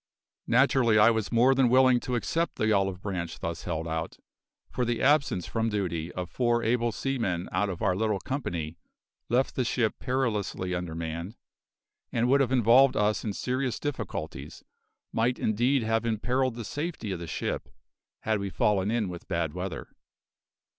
Naturally I was more than willing to accept the olive branch thus held out, for the absence from duty of four able seamen out of our little company left the ship perilously undermanned, and would have involved us in serious difficulties, might indeed have imperilled the safety of the ship, had we fallen in with bad weather.